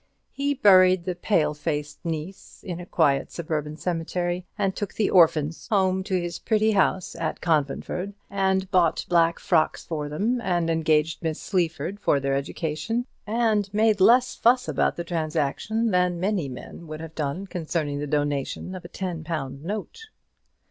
He buried the pale faced niece in a quiet suburban cemetery, and took the orphans home to his pretty house at Conventford, and bought black frocks for them, and engaged Miss Sleaford for their education, and made less fuss about the transaction than many men would have done concerning the donation of a ten pound note.